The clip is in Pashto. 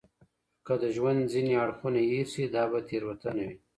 که د ژوند ځينې اړخونه هېر سي دا به تېروتنه وي.